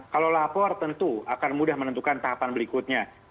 kalau lapor tentu akan mudah menentukan tahapan berikutnya